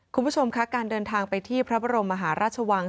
คุณผู้ชมค่ะการเดินทางไปที่พระบรมมหาราชวัง